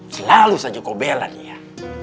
selalu saja kau bela nih ya